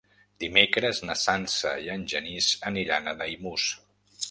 Dimecres na Sança i en Genís aniran a Daimús.